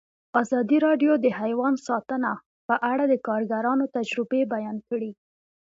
ازادي راډیو د حیوان ساتنه په اړه د کارګرانو تجربې بیان کړي.